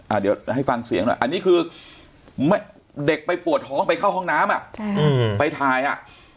เดี๋ยวให้ฟังเสียงหน่อยอันนี้คือเด็กไปปวดท้องไปเข้าห้องน้ำอ่ะอืมไปถ่ายอ่ะ